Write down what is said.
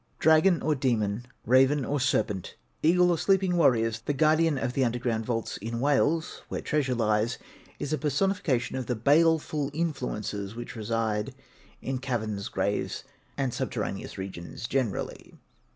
Dragon or demon, raven or serpent, eagle or sleeping warriors, the guardian of the underground vaults in Wales where treasures lie is a personification of the baleful influences which reside in caverns, graves, and subterraneous regions generally.